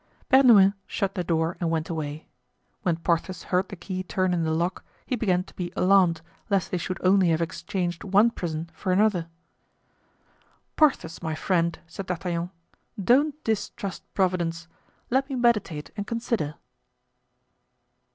Bernouin shut the door and went away. When Porthos heard the key turn in the lock he began to be alarmed, lest they should only have exchanged one prison for another. "Porthos, my friend," said D'Artagnan, "don't distrust Providence! Let me meditate and consider."